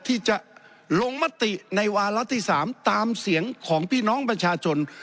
ที่จะลงมติในวาระที่๓ตามเสียงของพี่น้องประชาชน